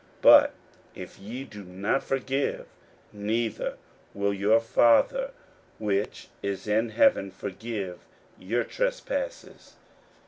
41:011:026 But if ye do not forgive, neither will your Father which is in heaven forgive your trespasses.